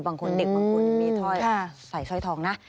บางคนเด็กบางคนมีถ้อยใส่สร้อยทองนะ